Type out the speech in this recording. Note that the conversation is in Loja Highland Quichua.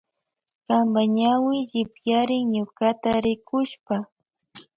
Kanpa ñawi llipyarin ñukata rikushpa.